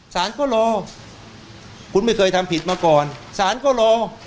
สารก็รอคุณไม่เคยทำผิดมาก่อนศาลก็รอ